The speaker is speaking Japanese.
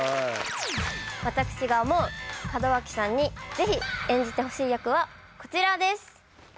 私が思う門脇さんにぜひ演じてほしい役はこちらです。